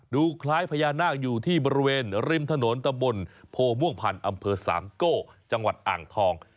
ดูคล้ายพญานาคอยู่ที่บริเวณริมถนนตะบนโพม่วงพันธ์อำเภอสามโก้จังหวัดอ่างทอง